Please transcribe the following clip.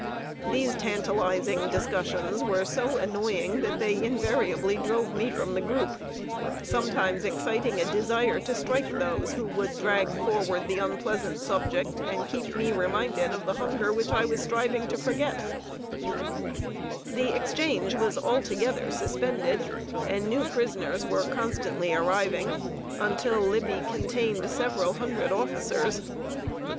These tantalizing discussions were so annoying that they invariably drove me from the group, sometimes exciting a desire to strike those who would drag forward the unpleasant subject, and keep me reminded of the hunger which I was striving to forget. [Sidenote: EXTRAVAGANT RUMORS AMONG THE PRISONERS.] The exchange was altogether suspended, and new prisoners were constantly arriving, until Libby contained several hundred officers.